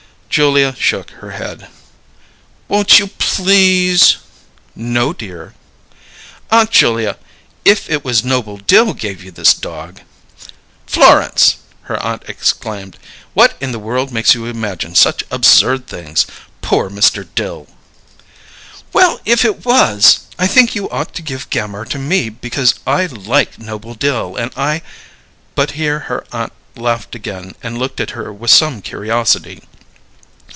Julia shook her head. "Won't you, please?" "No, dear." "Aunt Julia, if it was Noble Dill gave you this dog " "Florence!" her aunt exclaimed. "What in the world makes you imagine such absurd things? Poor Mr. Dill!" "Well, if it was, I think you ought to give Gammire to me because I like Noble Dill, and I " But here her aunt laughed again and looked at her with some curiosity.